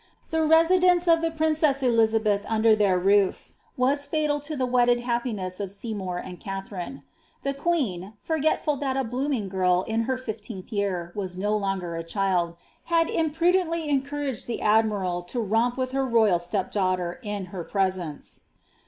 The residence of the princess Elizabeth under their roof was fatal to the wedded hap< piness of Seymour and Katharine. The queen, forgetful that a Uoon ing girl in her Hfteenth year was no longer a child, had impnideoily encouraged the admiral to romp with her royal step daughter in her presence.